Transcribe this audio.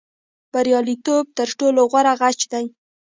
بریالیتوب تر ټولو غوره غچ دی.